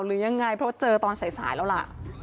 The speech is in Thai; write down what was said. หรือยังไงเพราะเจอตอนสายแล้วล่ะ